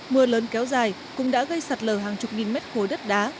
mưa lớn kéo dài cũng đã gây sạt lở hàng chục nghìn mét khối đất đá